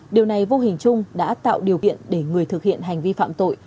điều này vô hình chung đã tạo điều kiện để người thực hiện hành vi phạm tội